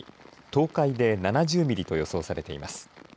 東海で７０ミリと予想されています。